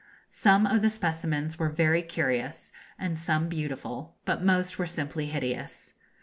Some of the specimens were very curious and some beautiful, but most were simply hideous.